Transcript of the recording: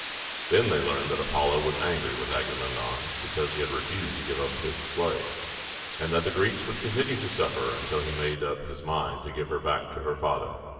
Then they learned that Apollo was angry with Agamemnon because he had refused to give up his slave, and that the Greeks would continue to suffer until he made up his mind to give her back to her father.